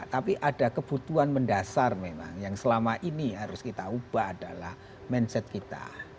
tapi ada kebutuhan mendasar memang yang selama ini harus kita ubah adalah mindset kita